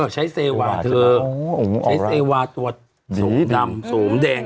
ใช้เซว่าเซว่าตัวสูงดำสูงแดง